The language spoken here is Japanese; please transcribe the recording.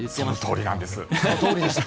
そのとおりなんです。